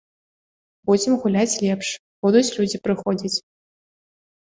Будзем гуляць лепш, будуць людзі прыходзіць.